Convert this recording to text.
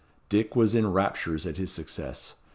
Dick was in raptures at his success.